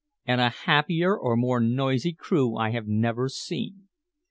And a happier or more noisy crew I have never seen.